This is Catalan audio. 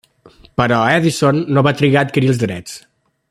Però Edison no va trigar a adquirir els drets.